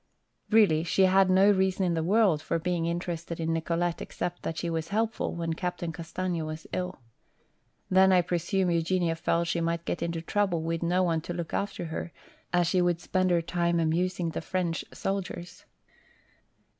Really, she had no reason in the world for being interested in Nicolete except that she was helpful when Captain Castaigne was ill. Then I presume Eugenia felt she might get into trouble with no one to look after her, as she would spend her time amusing the French soldiers."